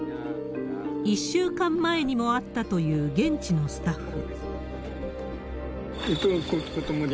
１週間前にも会ったという現地のスタッフ。